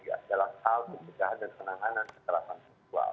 adalah hal pencegahan dan penanganan kekerasan seksual